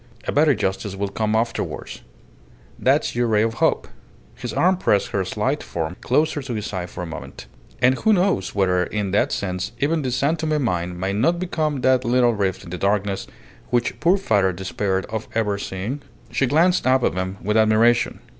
A better justice will come afterwards. That's your ray of hope." His arm pressed her slight form closer to his side for a moment. "And who knows whether in that sense even the San Tome mine may not become that little rift in the darkness which poor father despaired of ever seeing?" She glanced up at him with admiration.